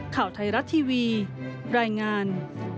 ข่าวไทยรัฐทีวีรายงาน